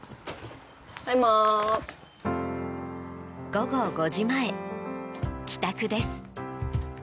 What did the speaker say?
午後５時前、帰宅です。